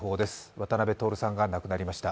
渡辺徹さんが亡くなりました。